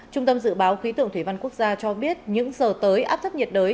trung tâm dự báo khí tượng thủy văn quốc gia cho biết những giờ tới áp thấp nhiệt đới